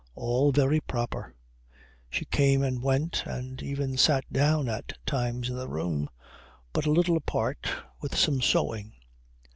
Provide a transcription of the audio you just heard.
All very proper. She came and went and even sat down at times in the room, but a little apart, with some sewing.